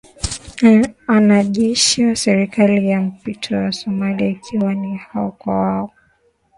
anajeshi wa serikali ya mpito ya somali ikiwa ni wao kwa wao